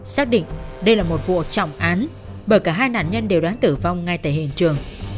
xác định đây là một vụ trọng án bởi cả hai nạn nhân đều đã tử vong ngay tại hiện trường